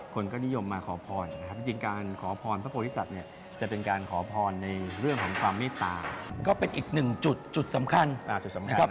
ก็เป็นอีกหนึ่งจุดสำคัญนะครับ